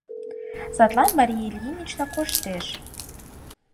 Садлан Мария Ильинична коштеш.